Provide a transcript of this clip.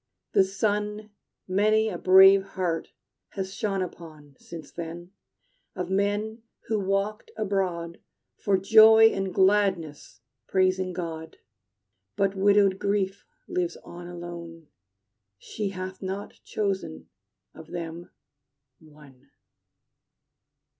The sun Many a brave heart has shone upon Since then, of men who walked abroad For joy and gladness praising God. But widowed Grief lives on alone: She hath not chosen, of them, one.